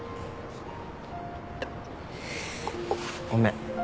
ごめん。